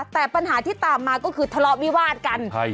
แต่ปัญหาที่ตามมาก็คือทะเลาะวิวาดกัน